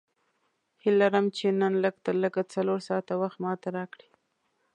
هیله لرم چې نن لږ تر لږه څلور ساعته وخت ماته راکړې.